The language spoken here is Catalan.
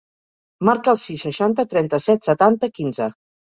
Marca el sis, seixanta, trenta-set, setanta, quinze.